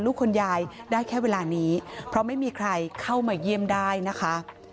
คุณยายได้แค่เวลานี้เพราะไม่มีใครเข้ามาเยี่ยมได้นะคะ